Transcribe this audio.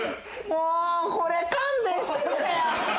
もうこれ勘弁してくれや。